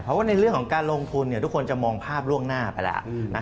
เพราะว่าในเรื่องของการลงทุนทุกคนจะมองภาพล่วงหน้าไปแล้ว